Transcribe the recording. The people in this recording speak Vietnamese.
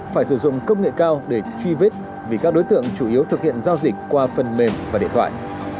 phải sử dụng công nghệ cao để truy vết vì các đối tượng chủ yếu thực hiện giao dịch qua phần mềm và điện thoại